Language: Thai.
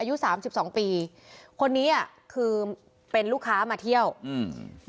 อายุสามสิบสองปีคนนี้อ่ะคือเป็นลูกค้ามาเที่ยวอืม